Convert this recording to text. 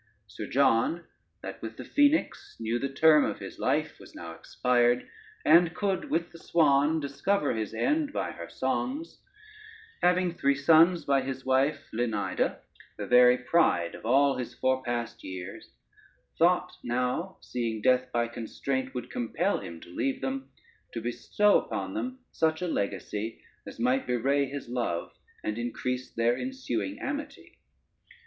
Sir John, that with the Phoenix knew the term of his life was now expired, and could, with the swan, discover his end by her songs, having three sons by his wife Lynida, the very pride of all his forepassed years, thought now, seeing death by constraint would compel him to leave them, to bestow upon them such a legacy as might bewray his love, and increase their ensuing amity.